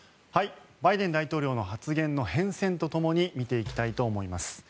バイデン大統領の発言の変遷と共に見ていきたいと思います。